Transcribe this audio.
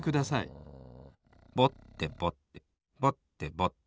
ぼってぼってぼってぼって。